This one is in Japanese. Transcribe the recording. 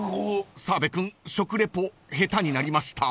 ［澤部君食レポ下手になりました？］